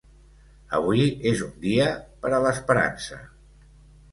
Avui és un dia per a l'esperança.